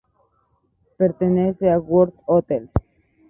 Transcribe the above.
Pertenece a "World Hotels".